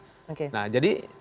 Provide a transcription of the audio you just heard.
oke nah jadi